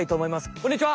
こんにちは！